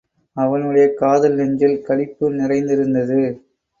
அவனுடைய காதல் நெஞ்சில் களிப்பு நிறைந்திருந்தது.